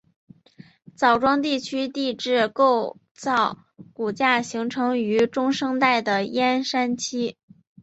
枣庄地区地质构造骨架形成于中生代的燕山期。